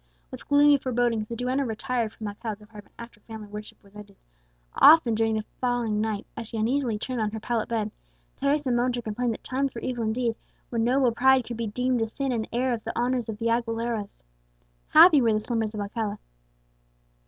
With gloomy forebodings the duenna retired from Alcala's apartment after family worship was ended. Often during the following night, as she uneasily turned on her pallet bed, Teresa moaned her complaint that times were evil indeed, when noble pride could be deemed a sin in the heir of the honours of the Aguileras! Happy were the slumbers of Alcala.